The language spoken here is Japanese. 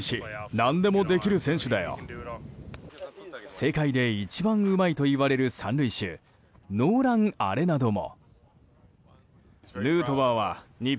世界で一番うまいといわれる三塁手ノーラン・アレナドも。